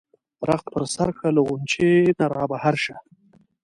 رخت په سر کړه له غُنچې نه را بهر شه.